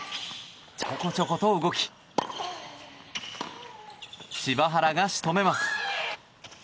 ちょこちょこと動き柴原が仕留めます。